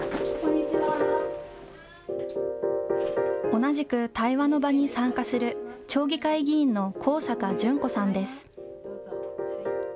同じく対話の場に参加する町議会議員の幸坂順子さんです。